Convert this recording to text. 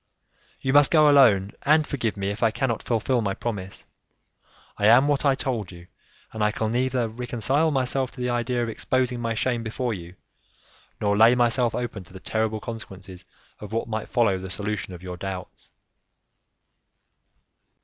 "You must go alone, and forgive me if I cannot fulfil my promise. I am what I told you, and I can neither reconcile myself to the idea of exposing my shame before you, nor lay myself open to the terrible consequences that might follow the solution of your doubts."